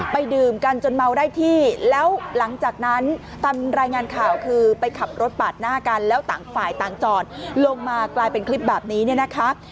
ดื่มกันจนเมาได้ที่แล้วหลังจากนั้นตามรายงานข่าวคือไปขับรถปาดหน้ากันแล้วต่างฝ่ายต่างจอดลงมากลายเป็นคลิปแบบนี้เนี่ยนะคะ